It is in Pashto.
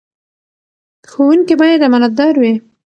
ښوونکي باید امانتدار وي.